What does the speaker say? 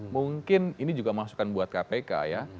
mungkin ini juga masukan buat kpk ya